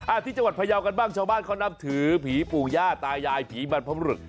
ที่จังหวัดพยาวกันบ้างชาวบ้านเขานับถือผีปู่ย่าตายายผีบรรพบรุษ